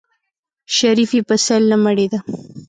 شريف يې په سيل نه مړېده.